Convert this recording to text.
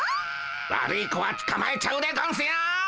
悪い子はつかまえちゃうでゴンスよ。